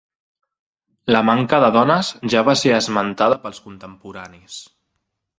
La manca de dones ja va ser esmentada pels contemporanis.